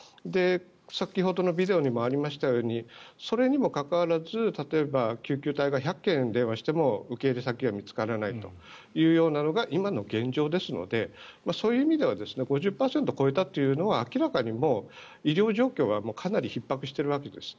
先ほどのビデオにもありましたようにそれにもかかわらず、例えば救急隊が１００件電話しても受け入れ先が見つからないというようなのが今の現状ですのでそういう意味では５０％を超えたというのは明らかにもう医療状況はかなりひっ迫しているわけです。